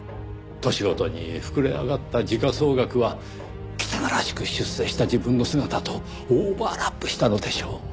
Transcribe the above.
年ごとに膨れ上がった時価総額は汚らしく出世した自分の姿とオーバーラップしたのでしょう。